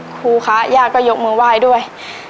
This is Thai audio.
ครูคะญาติก็ยกมือไหว้ด้วย